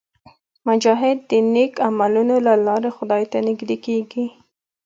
مجاهد د نیک عملونو له لارې خدای ته نږدې کېږي.